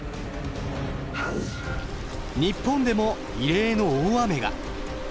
日本でも異例の大雨が！